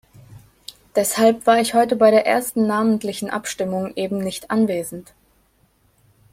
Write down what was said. Deshalb war ich heute bei der ersten namentlichen Abstimmung eben nicht anwesend.